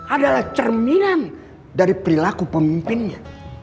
adalah cerminan dari perilaku pemimpinnya